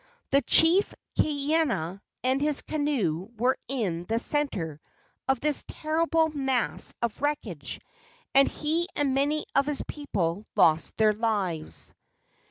The chief Kaena and his canoe were in the centre of this terrible mass of wreckage, and he and many of his people lost their lives.